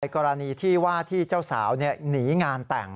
กรณีที่ว่าที่เจ้าสาวหนีงานแต่ง